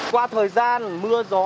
qua thời gian mưa gió